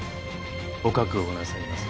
お覚悟なさいませ。